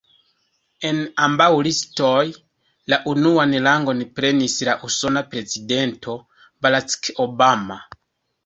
En ambaŭ listoj, la unuan rangon prenis la usona prezidento, Barack Obama.